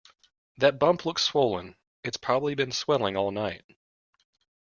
That bump looks swollen. It's probably been swelling all night.